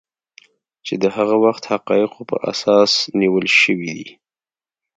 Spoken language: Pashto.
چې د هغه وخت حقایقو په اساس نیول شوي دي